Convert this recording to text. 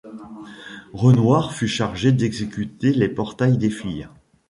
Renoir fut chargé d'exécuter les portraits des filles.